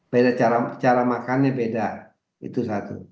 beda cara makannya beda itu satu